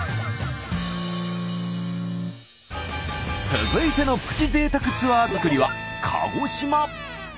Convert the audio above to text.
続いてのプチ贅沢ツアー作りは鹿児島。